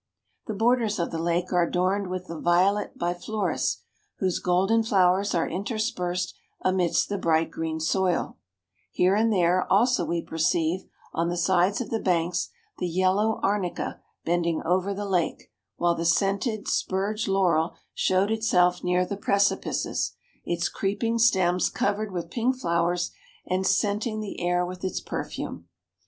The borders of the lake are adorned with the violet biflorous, whose golden flowers are interspersed amidst the bright green soil; here and there also we perceive, on the sides of the banks, the yellow arnica bending over the lake; while the scented spurge laurel showed itself near the precipices, its creeping stems covered with pink flowers, and scent¬ ing the air with its perfume.